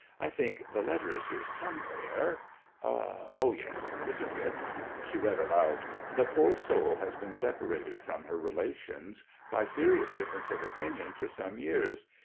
I think the letter is here somewhere. Yes ; this is it." She read aloud —The poor soul has been separated from her relations by serious difference of opinion for some years.